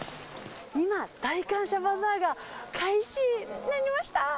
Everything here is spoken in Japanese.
今、大感謝バザーが開始になりました。